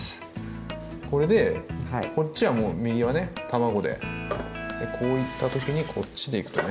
これでこっちはもう右はね卵でこういった時にこっちでいくとね。